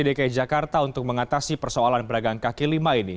dki jakarta untuk mengatasi persoalan pedagang kaki lima ini